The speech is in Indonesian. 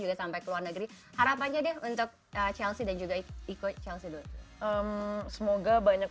juga sampai ke luar negeri harapannya deh untuk chelsea dan juga iko chelsea semoga banyak